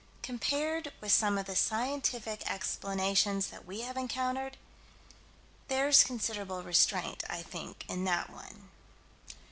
Compared with some of the scientific explanations that we have encountered, there's considerable restraint, I think, in that one.